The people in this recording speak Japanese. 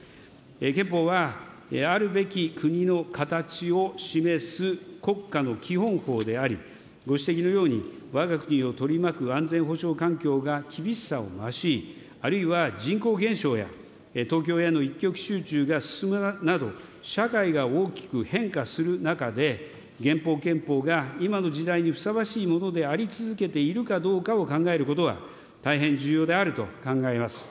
憲法はあるべき国の形を示す国家の基本法であり、ご指摘のように、わが国を取り巻く安全保障環境が厳しさを増し、あるいは人口減少や、東京への一極集中が進むなど、社会が大きく変化する中で、現行憲法が今の時代にふさわしいものであり続けているかどうかを考えることは、大変重要であると考えます。